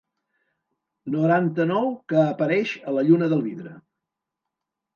Noranta-nou que apareix a la lluna del vidre.